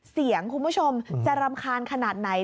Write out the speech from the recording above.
เสียงคุณผู้ชมจะรำคานขนาดไหน